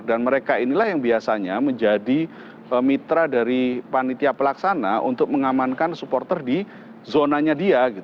dan mereka inilah yang biasanya menjadi mitra dari panitia pelaksana untuk mengamankan supporter di zonanya dia